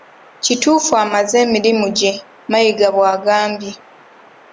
Kituufu amaze emirimu gye, Mayiga bwagambye.